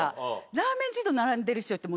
ラーメン二郎並んでる人って。